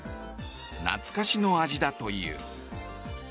懐かしの味だという。